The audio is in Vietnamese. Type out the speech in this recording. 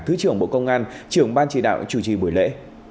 thứ trưởng bộ công an trưởng ban chỉ đạo chủ trì buổi lễ